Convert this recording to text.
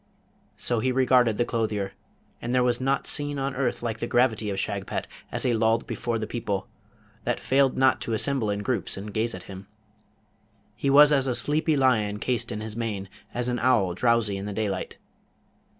So he regarded the clothier, and there was naught seen on earth like the gravity of Shagpat as he lolled before those people, that failed not to assemble in groups and gaze at him. He was as a sleepy lion cased in his mane; as an owl drowsy in the daylight.